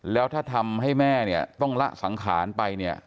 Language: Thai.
แล้วถ้าทำให้แม่เนี่ยต้องละสังขารไปเนี่ย